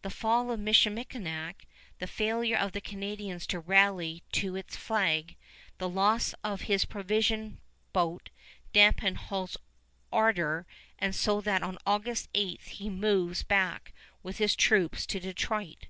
The fall of Michilimackinac, the failure of the Canadians to rally to his flag, the loss of his provision boat, dampen Hull's ardor so that on August 8 he moves back with his troops to Detroit.